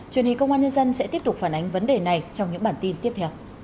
truyền hình công an nhân dân sẽ tiếp tục phản ánh vấn đề này trong những bản tin tiếp theo